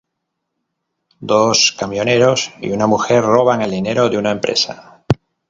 Dos camioneros y una mujer roban el dinero de una empresa.